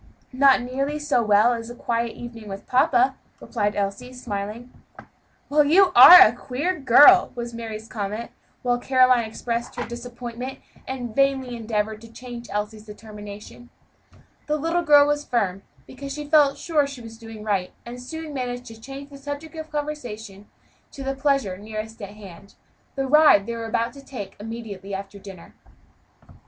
"Not nearly so well as a quiet evening with papa," replied Elsie, smiling. "Well, you are a queer girl!" was Mary's comment, while Caroline expressed her disappointment and vainly endeavored to change Elsie's determination. The little girl was firm, because she felt sure she was doing right, and soon managed to change the subject of conversation to the pleasure nearest at hand the ride they were to take immediately after dinner.